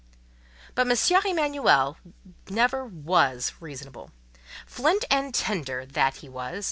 But M. Emanuel never was reasonable; flint and tinder that he was!